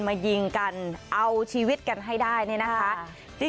มายิงกันเอาชีวิตกันให้ได้